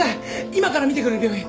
今から診てくれる病院。